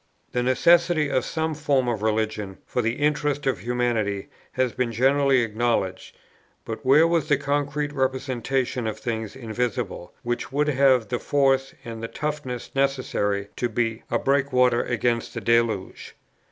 The necessity of some form of religion for the interests of humanity, has been generally acknowledged: but where was the concrete representative of things invisible, which would have the force and the toughness necessary to be a breakwater against the deluge?